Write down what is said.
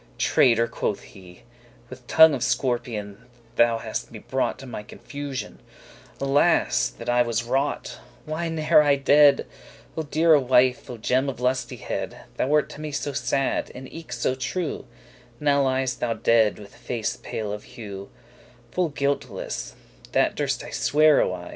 "Traitor," quoth he, "with tongue of scorpion, Thou hast me brought to my confusion; Alas that I was wrought!* why n'ere I dead? *made was not O deare wife, O gem of lustihead,* *pleasantness That wert to me so sad,* and eke so true, *steadfast Now liest thou dead, with face pale of hue, Full guilteless, that durst I swear y wis!